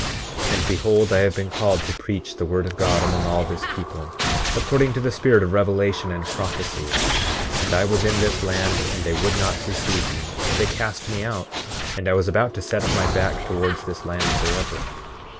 8:24 And behold, I have been called to preach the word of God among all this people, according to the spirit of revelation and prophecy; and I was in this land and they would not receive me, but they cast me out and I was about to set my back towards this land forever.